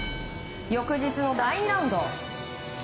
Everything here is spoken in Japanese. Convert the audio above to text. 翌日の第２ラウンド。